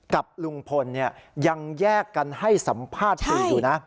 กับลุงพลยังแยกกันให้สัมภาษณ์สื่ออยู่นะ